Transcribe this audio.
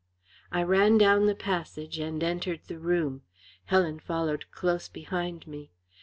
I ran down the passage and entered the room. Helen followed close behind me.